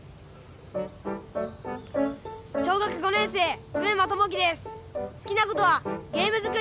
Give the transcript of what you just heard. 小学５年生上間友輝です。